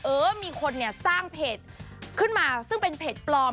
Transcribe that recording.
เออมีคนเนี่ยสร้างเพจขึ้นมาซึ่งเป็นเพจปลอม